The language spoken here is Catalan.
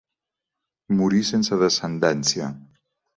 Morí sense descendència.